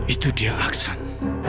itu dia aksan